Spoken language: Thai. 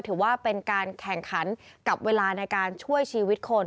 ถือว่าเป็นการแข่งขันกับเวลาในการช่วยชีวิตคน